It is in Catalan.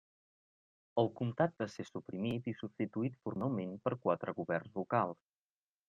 El comtat va ser suprimit i substituït formalment per quatre governs locals.